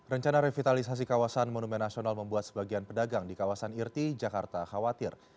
rencana revitalisasi kawasan monumen nasional membuat sebagian pedagang di kawasan irti jakarta khawatir